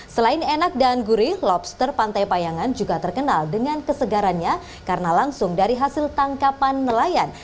selain enak dan gurih lobster pantai payangan juga terkenal dengan kesegarannya karena langsung dari hasil tangkapan nelayan